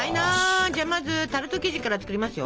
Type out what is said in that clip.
じゃあまずタルト生地から作りますよ！